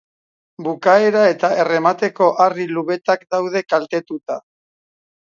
Bukaera eta erremateko harri-lubetak daude kaltetuta.